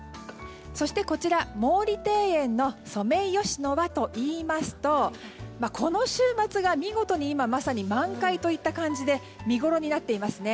そして、こちら毛利庭園のソメイヨシノはといいますとこの週末が見事に満開といった感じで見ごろになっていますね。